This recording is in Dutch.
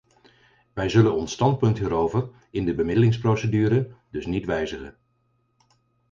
Wij zullen ons standpunt hierover in de bemiddelingsprocedure dus niet wijzigen.